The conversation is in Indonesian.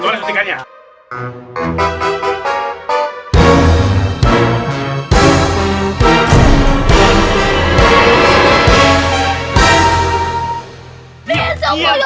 keluarin keluarin disuntikannya